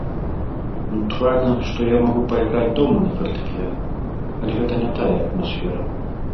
Натуральна, што я магу пайграць дома на фартэпіяна, але гэта не тая атмасфера.